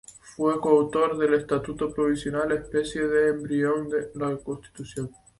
Fue coautor del Estatuto Provisional, especie de embrión de constitución.